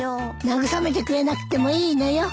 慰めてくれなくてもいいのよ。